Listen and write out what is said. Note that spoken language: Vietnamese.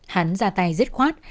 hắn ra tay dứt khoát